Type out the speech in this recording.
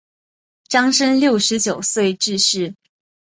张升六十九岁致仕。